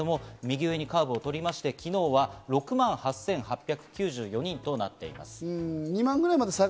そこからいったん下がりまして、右上にカーブをとりまして、昨日は６万８８９４人となっています。